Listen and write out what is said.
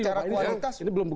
secara kualitas cukup baik